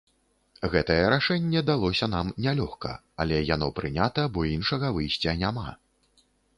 Гэтае рашэнне далося нам нялёгка, але яно прынята, бо іншага выйсця няма.